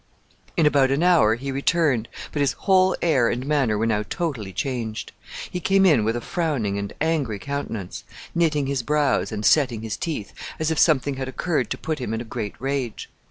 In about an hour he returned, but his whole air and manner were now totally changed. He came in with a frowning and angry countenance, knitting his brows and setting his teeth, as if something had occurred to put him in a great rage.